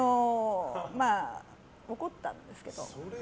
怒ったんですけど。